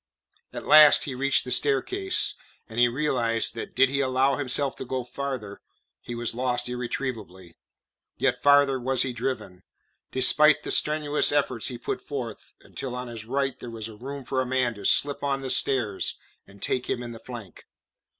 At last he reached the staircase, and he realized that did he allow himself to go farther he was lost irretrievably. Yet farther was he driven; despite the strenuous efforts he put forth, until on his right there was room for a man to slip on to the stairs and take him in the flank.